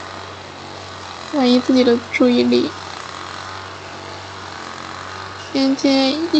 尖头燕鳐为飞鱼科燕鳐属的鱼类。